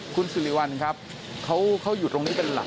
คุณสิริวัลครับเขาอยู่ตรงนี้เป็นหลัก